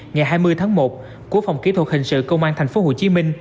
ngày hai mươi tháng một của phòng kỹ thuật hình sự công an tp hcm